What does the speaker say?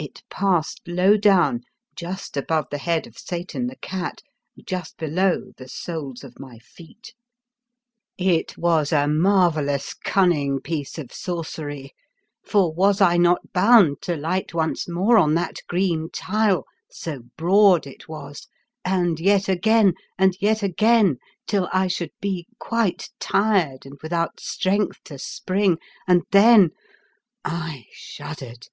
It passed low down, just above the head of Satan, the cat, just below the soles of my feet. It was a marvellous cunning piece of sorcery, for was I not bound to light once more on that green tile — so broad it was — and yet again, and yet again, till I should be quite tired, and without strength to spring, and then — I shud dered.